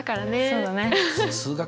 そうだね。